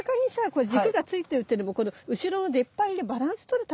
これ軸がついてるっていうのもこの後ろの出っ張りのバランス取るためでもあるんだよね。